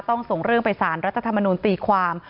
ส่งเรื่องไปสารรัฐธรรมนูลตีความ